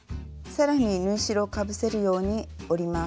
更に縫い代をかぶせるように折ります。